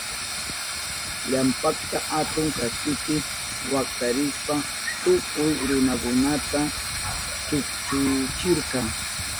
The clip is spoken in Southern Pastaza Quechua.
Ilampaka atun kaspipi waktarishpan tukuy runakunata chukchuchirka.